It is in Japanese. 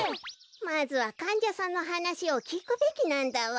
まずはかんじゃさんのはなしをきくべきなんだわ。